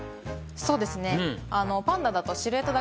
そうですね。